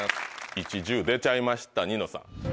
１１０出ちゃいましたニノさん。